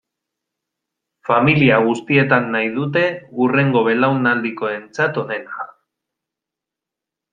Familia guztietan nahi dute hurrengo belaunaldikoentzat onena.